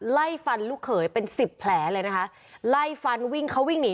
ไล่ฟันลูกเขยเป็นสิบแผลเลยนะคะไล่ฟันวิ่งเขาวิ่งหนี